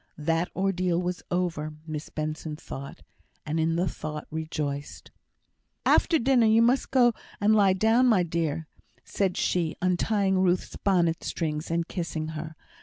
That ordeal was over, Miss Benson thought, and in the thought rejoiced. "After dinner, you must go and lie down, my dear," said she, untying Ruth's bonnet strings, and kissing her.